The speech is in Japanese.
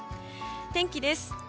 天気です。